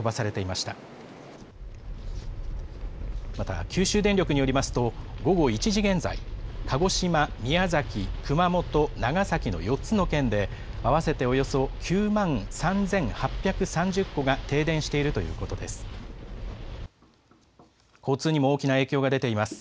また九州電力によりますと、午後１時現在、鹿児島、宮崎、熊本、長崎の４つの県で、合わせておよそ９万３８３０戸が停電しているということです。